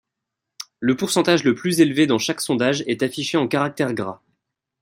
Le pourcentage le plus élevé dans chaque sondage est affiché en caractères gras.